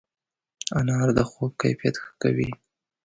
انار د خوب کیفیت ښه کوي.